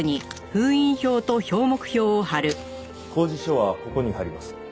公示書はここに貼ります。